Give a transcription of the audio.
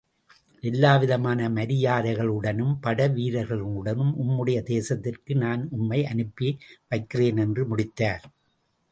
எல்லாவிதமான மரியாதைகளுடனும் படைவீரர்களுடனும் உம்முடைய தேசத்திற்கு நான் உம்மை அனுப்பி வைக்கிறேன் என்று முடித்தார்.